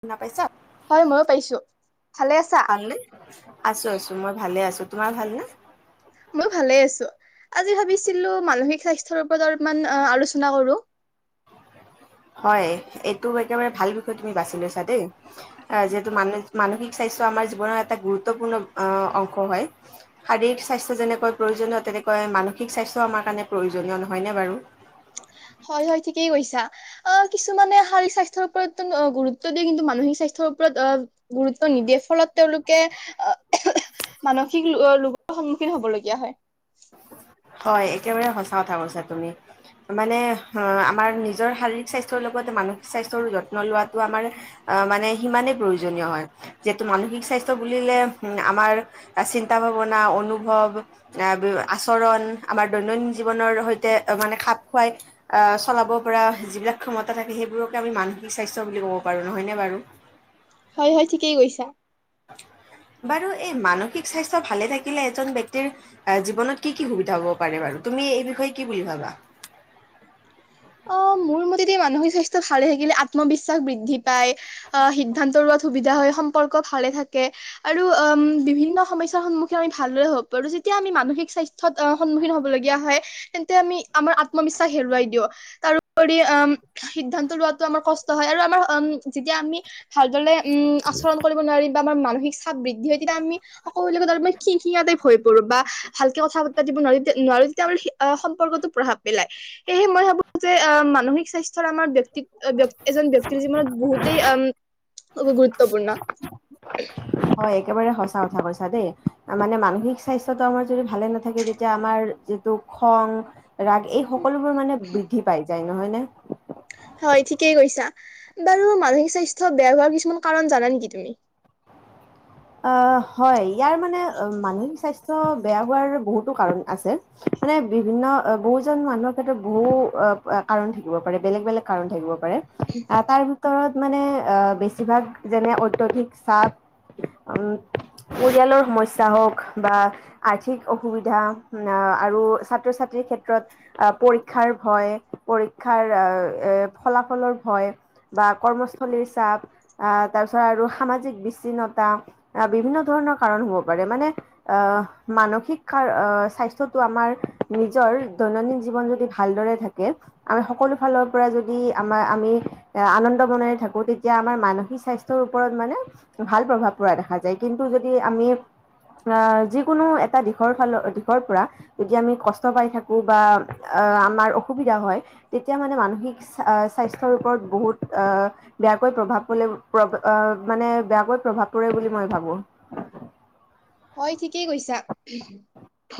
শুনা পাইছা? হয়। মইও পাইছো, ভালে আছা? ভালনে, আছোঁ আছোঁ মই ভালে আছোঁ, তোমাৰ ভালনে? মইও ভালে আছো, আজি ভাবিছিলো মানসিক স্বাস্থ্যৰ ওপৰত অলপমান আলোচনা কৰো। হয়, এইটো একেবাৰে ভাল বিষয় তুমি বাছি লৈছা দেই। যিহেতু মানুহ মানসিক স্বাস্থ্য আমাৰ জীৱনৰ এটা গুৰুত্বপূৰ্ণ অংশ হয়। শাৰীৰিক স্বাস্থ্য যেনেকৈ প্ৰয়োজনীয় তেনেকৈ মানসিক স্বাস্থ্যও আমাৰ কাৰণে প্ৰয়োজনীয় নহয়নে বাৰু? হয়, হয় ঠিকেই কৈছা। আহ কিছুমানে শাৰীৰিক স্বাস্থ্যৰ ওপৰত গুৰুত্ব দিয়ে, কিন্তু মানসিক স্বাস্থ্যৰ ওপৰত আহ গুৰুত্ব নিদিয়ে। ফলত তেওঁলোকে আহ মানসিক ৰোগৰ সন্মুখীন হ'ব লগগীয়া হয়। হয়, একেবাৰে সঁচা কথা কৈছা তুমি। মানে আমাৰ নিজৰ শাৰীৰিক স্বাস্থ্যৰ লগতে মানসিক স্বাস্থ্যৰ যত্ন লোৱাটো আমাৰ অ' মানে সিমানেই প্ৰয়োজনীয় হয়। যিহেতু মানসিক স্বাস্থ্য বুলিলে উ আমাৰ চিন্তা ভাৱনা, অনুভৱ আচৰণ আমাৰ দৈনন্দিন জীৱনৰ সৈতে মানে খাপ খুৱাই আহ চলাব পৰা যিবিলাক ক্ষমতা থাকে সেইবোৰকে আমি মানসিক স্বাস্থ্য বুলি ক'ব পাৰো নহয়নে বাৰু? হয় -হয় ঠিকেই কৈছা। বাৰু এই মানসিক স্বাস্থ্য ভালে থাকিলে এজন ব্যক্তিৰ জীৱনত কি কি সুবিধা হব পাৰে বাৰু তুমি এই বিষয়ে কি বুলি ভাবা? অ' মোৰ মতেদি মানসিক স্বাস্থ্য ভালে থাকিলে আত্মবিশ্বাস বৃদ্ধি পায় আহ সিদ্ধান্ত লোৱাত সুবিধা হয়, সম্পৰ্ক ভালে থাকে, আৰু উম বিভিন্ন সমস্যাৰ সন্মুখীন আমি ভালদৰে হ'ব পাৰো যেতিয়া আমি মানসিক স্বাস্থ্য সন্মুখীন হ'ব লগগীয়া হয় তেন্তে আমি আমাৰ আত্মবিশ্বাস হেৰুৱাই দিয় তাৰোপৰি সিদ্ধান্ত লোৱাটো আমাৰ কষ্ট হয় আৰু আমাৰ উম যেতিয়া আমি ভালদলে উম আচৰণ কৰিব নোৱাৰিম বা আমাৰ মানসিক চাপ বৃদ্ধি হয় তেতিয়া আমি সকলোবিলাকে খিং খিঙীয়া টাইপ হৈ পৰো বা ভালকে কথা বতৰা দিব নোৱাৰি নোৱাৰো তেতিয়া সি অ' সম্পৰ্কতো প্ৰভাৱ পেলাই, সেয়েহে মই ভাবো যে মানসিক স্বাস্থ্যৰ আমাৰ ব্যক্তি এজন ব্যক্তিৰ জীৱনত বহুতেই অ' গুৰুত্বপূৰ্ণ হয় একেবাৰে সচা কথা কৈছা দেই, মানে মানসিক স্বাস্থ্যটো আমাৰ যদি ভালে নাথাকে তেতিয়া আমাৰ। ত খং ৰাগ এই সকলোবোৰ মানে বৃদ্ধি পাই যায় নহয় নে? হয় ঠিকেই কৈছা বাৰু মানসিক স্বাস্থ্য বেয়া হোৱাৰ কিছুমান কাৰণ জানা নেকি তুমি? অ হয় ইয়াৰ মানে মানসিক স্বাস্থ্য বেয়া হোৱাৰ বহুতো কাৰণ আছে। মানে বিভিন্ন বহুজন মানুহৰ ক্ষেত্ৰত বহু কাৰণ থাকিব পাৰে বেলেগ বেলেগ কাৰন থাকিব পাৰে। আহ তাৰ ভিতৰত মানে আহ বেছিভাগ যেনে অত্যধিক চাপ। পৰিয়ালৰ সমস্যা হওক বা আৰ্থিক অসুবিধা আৰু ছাত্ৰ ছাত্ৰীৰ ক্ষেত্ৰত পৰীক্ষাৰ ভয়। পৰীক্ষাৰ আহ এ ফলাফলৰ ভয়। বা কৰ্মস্থলীৰ চাপ আহ তাৰপিছত আৰু সামাজিক বিচ্ছিন্নতা। আহ বিভিন্ন ধৰণৰ কাৰণ হ'ব পাৰে মানে। আহ মানসিকাৰ আহ স্বাস্থ্যটো আমাৰ নিজৰ দৈনন্দিন জীৱন যদি। ভালদৰে থাকে, আমি সকলো ফালৰ পৰা যদি আমাৰ আমি। এ আনন্দ মনেৰে থাকো, তেতিয়া আমাৰ মানসিক স্বাস্থ্যৰ ওপৰত মানে ভাল প্ৰভাৱ পৰা দেখা যায়। কিন্তু যদি আমি। আহ যিকোনো এটা দিশৰ ফালৰ দিশৰ পৰা যদি আমি কষ্ট পাই থাকো বা। আমাৰ অসুবিধা হয় তেতিয়া মানে মানসিক স্বাস্থ্যৰ ওপৰত বহুত। বেয়াকৈ প্ৰভাৱ পলে প্ৰ মানে বেয়াকৈ প্ৰভাৱ পৰে বুলি মই ভাবো। হয় ঠিকেই কৈছা।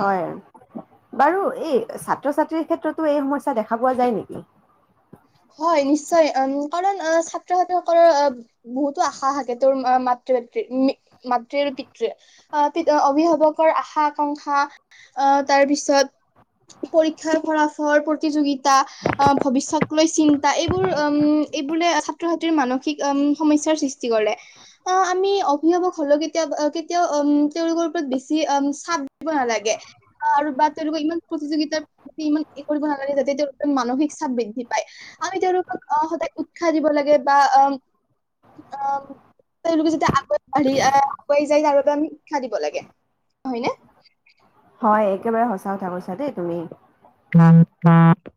বাৰু এই ছাত্ৰ ছাত্ৰীৰ ক্ষেত্ৰতো এই সমস্যা দেখা পোৱা যাই নেকি? হয় নিশ্চয় উম কাৰণ ছাত্ৰ - ছাত্ৰী সকলৰ। বহুতো আশা থাকে তোৰ মাতৃ পাতৃৰ মাতৃ আৰু পিতৃৰ। আহ প অভিভাৱকৰ আশা আকাংক্ষা আ তাৰ পিছত। পৰীক্ষাৰ ফলাফল প্ৰতিযোগিতা ভৱিষ্যত। লৈ চিন্তা এইবোৰ উ এইবোৰে ছাত্ৰ ছাত্ৰ মানসিক সমস্যাৰ সৃষ্টি কৰে। অ আমি অভিভাৱক হলেও কেতিয়া কেতিয়াও উম তেওঁলোকৰ ওপৰত বেছি চাপ দিব নালাগে। আৰু বা তেওঁলোকে ইমান প্ৰতিযোগিতাৰ প্ৰতি ইমান নালাগে যাতে তেওঁলোকে মানসিক চাপ বৃদ্ধি। পাই আমি তেওঁলোকক আহ সদায় উৎসাহ দিব লাগে বা আহ। তেওঁলোকে যাতে আগুৱাই বাঢ়ি আহ আগুৱাই যায় তাৰ বাবে আমি শিক্ষা দিব লাগে হয় নে? হয় একেবাৰে সচা কথা কৈছা দেই তুমি।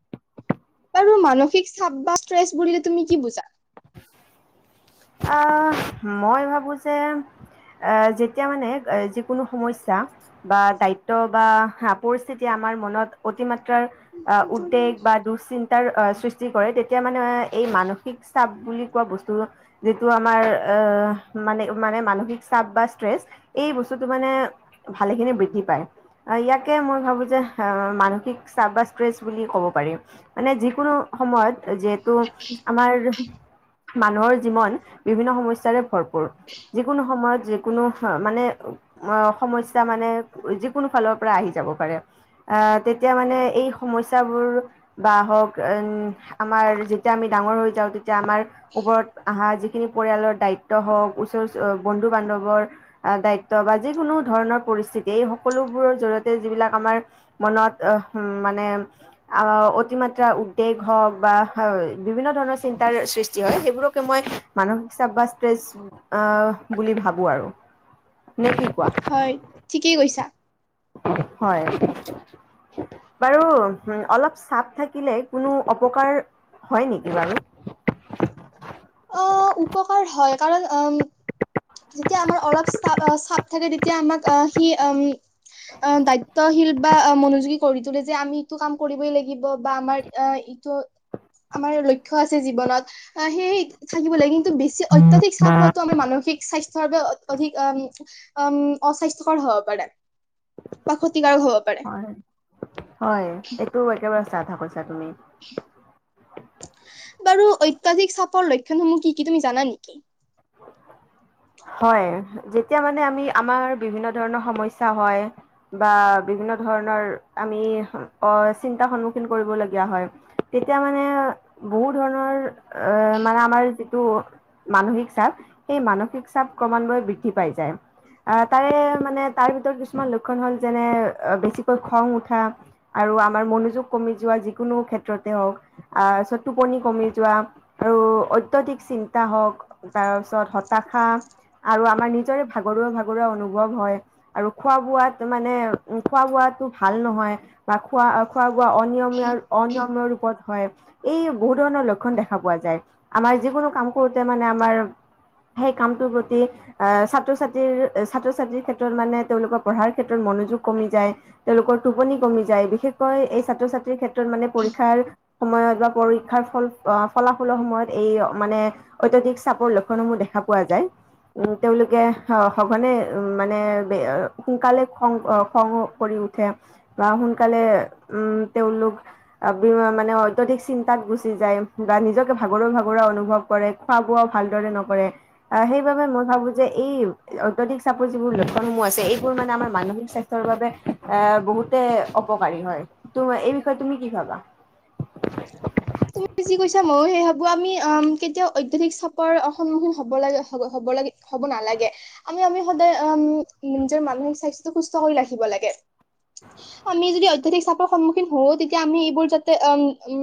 বাৰু মানসিক চাপ বা ষ্ট্ৰেছ বুলিলে তুমি কি বুজা? আ মই ভাবোঁ যে যেতিয়া মানে যিকোনো সমস্যা বা দায়িত্ব বা পৰিস্থিতি আমাৰ মনত অতিমাত্ৰাৰ বুজা? উদ্বেগ বা দুশ্চিন্তা তাৰ সৃষ্টি কৰে তেতিয়া মানে এই মানসিক চাপ বুলি কোৱা বস্তুটো যিটো আমাৰ আহ মানে মানে মানসিক চাপ বা ষ্ট্ৰেচ এই বস্তুটো মানে ভালেখিনি বৃদ্ধি পায়। ইয়াকে মই ভাবোঁ যে মানসিক চাপ বা ষ্ট্ৰেছ বুলি কব পাৰি। মানে যিকোনো সময়ত যে যিটো আমাৰ মানুহৰ জীৱন বিভিন্ন সমস্যাৰে ভৰপূৰ। যিকোনো সময়ত যি কোনো মানে সমস্যা মানে যিকোনো ফালৰ পৰা আহি যাব পাৰে। আহ তেতিয়া মানে এই সমস্যাবোৰ বা হওক উম আমাৰ যেতিয়া আমি ডাঙৰ হৈ যাওঁ তেতিয়া আমাৰ ওপৰত আহ যিখিনি পৰিয়ালৰ দায়িত্ব হওক ওচৰৰ বন্ধু বান্ধৱৰ দায়িত্ব বা যিকোনো ধৰণৰ পৰিস্থিতি এই সকলোবোৰৰ জৰিয়তে যিবিলাক আমাৰ মনত আহ মানে অ অতিমাত্ৰা উদ্বেগ হওক বা বিভিন্ন ধৰণৰ চিন্তাৰ সৃষ্টি হয় সেইবোৰক মই মানসিক চাপ ষ্ট্ৰেছ আহ বুলি ভাবো আৰু। নেকি কোৱা? হয় ঠিকেই কৈছা। হয়। বাৰু অলপ চাপ থাকিলে কোনো অপকাৰ হয় নেকি বাৰু? অ উপকাৰ হয় কাৰণ উম যেতিয়া আমাৰ অলপ চাপ চাপ থাকে তেতিয়া আমাক আহ সি অ দায়িত্বশীল বা মনোযোগী কৰি তোলে যে আমি এইটো কাম কৰিবই লাগিব বা আমাৰ অ যিটো আমাৰ লক্ষ্য আছে জীৱনত। থাকিব লাগে কিন্তু বেছি অত্যাধিক চাপ হোৱাাতটো আমাৰ মানসিক স্বাস্থ্যৰ বাবে অধিক উ উম অস্বাস্থ্যকৰ হ'ব পাৰে। বা ক্ষতিকাৰক হ'ব পাৰে। হয় হয় এইটো একেবাৰে সঁচা আধা কৈছাঁ তুমি। [inaudible] বাৰু অত্যাধিক চাপৰ লক্ষণসমূহ কি কি তুমি জানা নেকি? হয় যেতিয়া মানে আমি আমাৰ বিভিন্ন ধৰণৰ সমস্যা হয়। বা বিভিন্ন ধৰণৰ আমি চিন্তা সন্মুখীন কৰিবলগীয়া হয়। তেতিয়া মানে বহু ধৰণৰ এ মানে আমাৰ যিটো মানসিক চাপ সেই মানসিক চাপ ক্ৰমান্বয়ে বৃদ্ধি পাই যায়। আহ তাৰে মানে তাৰ ভিতৰত কিছুমান লক্ষণ হ'ল যেনে বেছিকৈ খং উঠা। আৰু আমাৰ মনোযোগ কমি যোৱা যিকোনো ক্ষেত্ৰতে হওক আহ তাৰপিছত টুপনি কমি যোৱা আৰু অত্যাধিক চিন্তা হওক। তাৰ পিছত হতাশা আৰু আমাৰ নিজৰে ভাগৰুৱা ভাগৰুৱা অনুভৱ হয়। আৰু খোৱা বোৱাত মানে খোৱা বোৱাতো ভাল নহয় বা খোৱা খোৱা বোৱা অনমীয়া অনিয়মীয় ৰূপত হয়। এই বহু ধৰণৰ লক্ষণ দেখা পোৱা যায় আমাৰ যিকোনো কাম কৰোতে মানে আমাৰ সেই কামটো প্ৰতি আহ ছাত্ৰ ছাত্ৰীৰ, ছাত্ৰ ছাত্ৰীৰ ক্ষেত্ৰত মানে তেওঁলোকৰ পঢ়াৰ ক্ষেত্ৰত মনোযোগ কমি যায়। তেওঁলোকৰ টোপনি কমি যায় বিশেষকৈ এই ছাত্ৰ ছাত্ৰীৰ ক্ষেত্ৰত মানে পৰীক্ষাৰ সময়ত বা পৰীক্ষাৰ ফল- ফলাফলৰ সময়ত এই মানে অত্যাধিক চাপৰ লক্ষণসমূহ দেখা পোৱা যায়। উ তেওঁলোকে আহ সঘনে উ মানে সোনকালে খং খং কৰি উঠে বা সোনকালে উম তেওঁলোক। মানে অত্যাধিক চিন্তাত গুচি যায় বা নিজকে ভাগৰুৱা ভাগৰুৱা অনুভৱ কৰে খোৱা বোৱা ভালদৰে নকৰে। আহ সেই সেইবাবে মই ভাবো যে এই অত্যা ধিক চাপৰ যিবোৰ লক্ষণ সমূহ আছে এইবোৰ মানে আমাৰ মানসিক স্বাস্থ্য বাবে। এ বহুতে অপকাৰী হয়, তুম এই বিষয়ে তুমি কি ভাবা? [unintelligible] তুমি যি কৈছা ময়ো সেই ভাবোঁ আমি কেতিয়াও অধ্যাধিক চাপৰ সন্মুখীন হ'ব লাগে হ'ব লাগে হ'ব নালাগে। আৰু আমি সদায় অ 'নিজৰ মানসিক স্বাস্থ্য সুস্থ কৰি ৰাখিব লাগে। আমি যদি অত্যধিক চাপৰ সন্মুখীন হওঁ তেতিয়া আমি এইবোৰ যাতে উ উ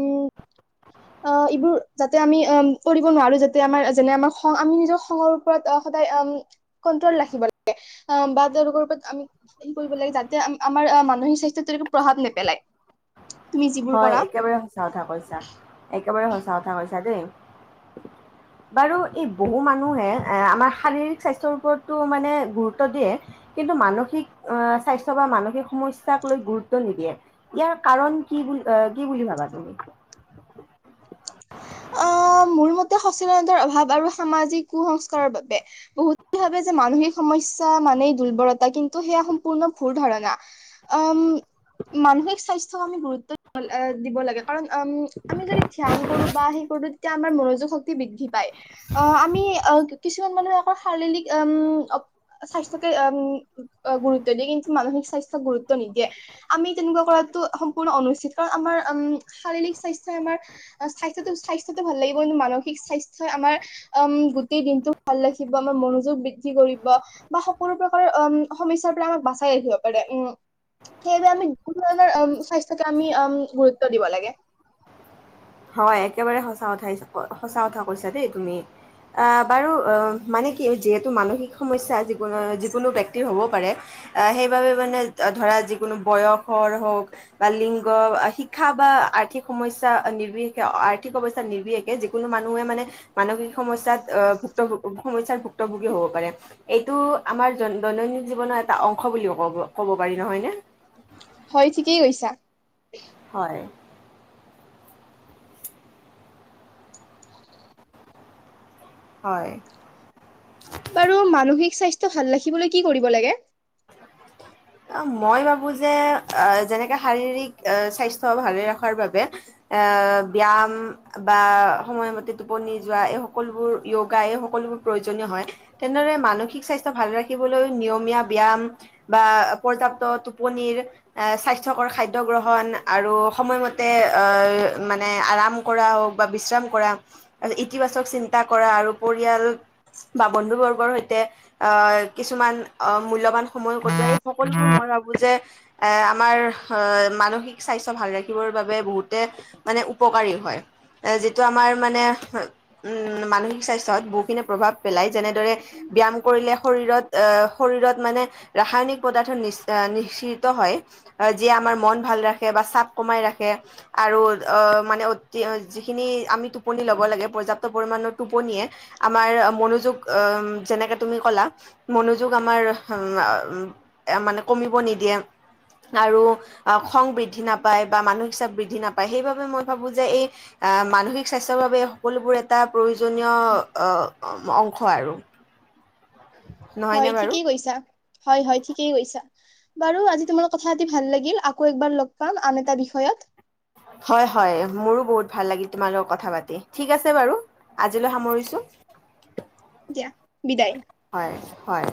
অ' এইবোৰ যাতে আমি অ'কৰিব নোৱাৰো যাতে আমাৰ যেনে আমাৰ খ- খং আমি নিজৰ খঙৰ ওপৰত সদায় কন্ট্ৰল ৰাখিব লাগে বা তেওঁলোকৰ ওপৰত আমি কৰিব লাগে যাতে আমাৰ মানসিক স্বাস্থ্যত তেনেকৈ প্ৰভাৱ নেপেলায়। তুমি যিবোৰ হয় কৰা একেবাৰে সঁচা কথা কৈছা একেবাৰে সঁচা কথা কৈছা দেই। বাৰু এই বহু মানুহে এ আমাৰ শাৰীৰিক স্বাস্থ্যৰ ওপৰতো মানে গুৰুত্ব দিয়ে। কিন্তু মানসিক আহ স্বাস্থ্য বা মানসিক সমস্যাক লৈ গুৰুত্ব নিদিয়ে ইয়াৰ কাৰণ। কি বুলি কি বুলি ভাবা তুমি? আহ মোৰ মতে সচেতনতাৰ অভাৱ আৰু সামাজিক কুসংস্কাৰৰ বাবে। বহুত ভাবে যে মানসিক সমস্যা মানেই দুৰ্বলতা কিন্তু সেয়া সম্পূৰ্ণ ভুল ধাৰণা। উম মানসিক স্বাস্থ্য আমি গুৰুত্ব দিব লাগে কাৰণ উ আমি যদি ধ্যান কৰো বা সেই তেতিয়া মনোযোগ শক্তি বৃদ্ধি পায় অ আমি অ'। কিছুমান মানুহে আকৌ শাৰীৰিক উম স্বাস্থ্যকে উম অ' গুৰুত্ব দিয়ে কিন্তু মানসিক স্বাস্থ্যক গুৰুত্ব নিদিয়ে। আমি তেনেকুৱা কৰাটো সম্পূৰ্ণ অনুচিত কাৰণ আমাৰ উম শাৰীৰিক স্বাস্থ্যই আমাৰ স্বাস্থ্যটো স্বাস্থ্যটো ভাল লাগিব মানসিক স্বাস্থ্য আমাৰ। আ'গোটেই দিনটো ভাল ৰাখিব আমাৰ মনোযোগ বৃদ্ধি কৰিব। বা সকলো প্ৰকাৰৰ সমস্যাৰ পৰা আমাক বাচাই ৰাখিব পাৰে উম। সেইয বাবে আমি বহু ধৰণৰ স্বাস্থ্য আমি গুৰুত্ব দিব লাগে। হয় একেবাৰে সঁচা কথা সঁচা কথা কৈছা দেই তুমি। অ' বাৰু মানে কি যিহেতু মানসিক সমস্যা জীৱনৰ যিকোনো ব্যক্তিৰ হ'ব পাৰে। আহ সেইবাবে মানে ধৰা যিকোনো বয়সৰ হওঁক বা লিংগ শিক্ষা বা আৰ্থিক সমস্যা নি নিৰশেষে আৰ্থিক অৱস্থাত নিৰ্বশেষে যিকোনো মানুহে মানে মানসিক সমস্যাত আহ ভুক্ত সমস্যাৰ ভুক্তভোগী হ'ব পাৰে। এইটো আমাৰ দৈনন্দিন জীৱনৰ এটা অংশ বুলি কব ক'ব পাৰি নহয় নে। হয় ঠিকেই কৈছা। হয়। হয়। বাৰু মানসিক স্বাস্থ্য ভাল ৰাখিবলৈ কি কৰিব লাগে? [inaudible] মই ভাবোঁ যে যেনেকে শাৰীৰিক স্বাস্থ্য ভালে ৰাখাৰ বাবে ব্যায়াম। বা সময়মতে টোপনি যোৱা এই সকলোবোৰ য়োগা এই সকলোবোৰ প্ৰয়োজনীয় হয়। তেনেদৰে মানসিক স্বাস্থ্য ভাল ৰাখিবলৈও নিয়মীয়া ব্যায়াম। বা পৰ্যাপ্ত টোপনিৰ স্বাস্থ্যকৰ খাদ্য গ্ৰহণ আৰু সময়মতে আহ' মানে আৰাম কৰা হওক বা বিশ্ৰাম কৰা ইতিবাচক চিন্তা কৰা আৰু পৰিয়াল বা বন্ধু বৰ্গৰ সৈতে আহ কিছুমান অ' মূল্যৱান সময় [inaudible] আমাৰ মানসিক স্বাস্থ্য ভাল ৰাখিবৰ বাবে বহুতে মানে উপকাৰী হয়। এ যিটো আমাৰ মানে উম, মানসিক স্বাস্থ্যত বহুখিনি প্ৰভাৱ পেলাই। যেনেদৰে ব্যায়াম কৰিলে শৰীৰত অ' শৰীৰত মানে ৰাসায়নিক পদাৰ্থ নি-নিশ্চিত হয়। যিয়ে আমাৰ মন ভাল ৰাখে বা চাপ কমাই ৰাখে। আৰু অ' মানে অতি যিখিনি আমি টোপনি ল'ব লাগে পৰ্যাপ্ত পৰিমাণৰ টোপনিয়ে আমাৰ মনোযোগ অ' যেনেকে তুমি কলা মনোযোগ আমাৰ মানে কমিব নিদিয়ে। আৰু খং বৃদ্ধি নাপায় বা মানসিক চাপ বৃদ্ধি নাপায় সেইবাবে মই ভাবোঁ যে এই আহ' মানসিক স্বাস্থ্যৰ বাবে সকলোবোৰ এটা প্ৰয়োজনীয় অ-অংশ আৰু। হয় নহয়নে বাৰু ঠিকেই কৈছা! হয় হয় ঠিকেই কৈছা। বাৰু আজি তোমাৰ লগত কথা পাতি ভাল লাগিল, আকৌ একবাৰ লগ পাম আন এটা বিষয়ত। হয় হয় মোৰো বহুত ভাল লাগিল তোমাৰ লগত কথা পাতি। ঠিক আছে বাৰু! আজিলৈ সামৰিছোঁ। দিয়া বিদায়! হয় হয়।